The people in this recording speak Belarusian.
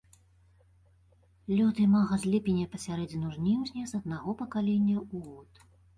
Лёт імага з ліпеня па сярэдзіну жніўня з аднаго пакалення ў год.